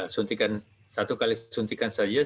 suntikan satu kali suntikan saja sudah cukup